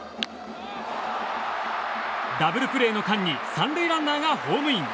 ダブルプレーの間に３塁ランナーがホームイン！